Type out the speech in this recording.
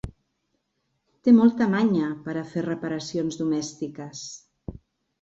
Té molta manya per a fer reparacions domèstiques.